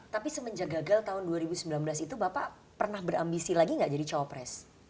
tapi semenjak gagal tahun dua ribu sembilan belas itu bapak pernah berambisi lagi gak jadi cawapres